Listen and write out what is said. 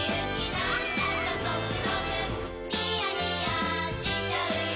なんだかゾクゾクニヤニヤしちゃうよ